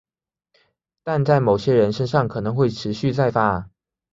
但在某些人身上可能会持续再发。